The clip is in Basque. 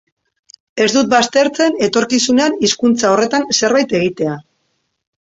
Ez dut baztertzen etorkizunean hizkuntza horretan zerbait egitea.